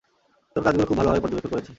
তোর কাজগুলো খুব ভালোভাবে পর্যবেক্ষণ করেছি।